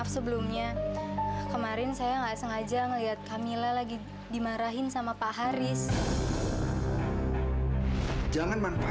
semoga setelah kalian bertemu